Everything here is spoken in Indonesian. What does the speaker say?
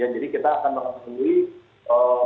jadi kita akan mempersembahkan